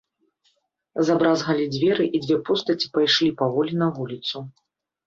Забразгалі дзверы, і дзве постаці пайшлі паволі на вуліцу.